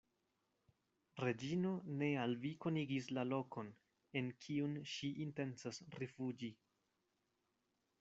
Reĝino ne al vi konigis la lokon, en kiun ŝi intencas rifuĝi.